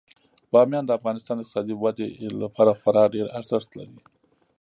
بامیان د افغانستان د اقتصادي ودې لپاره خورا ډیر ارزښت لري.